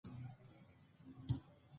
افغانستان کې د لعل په اړه زده کړه کېږي.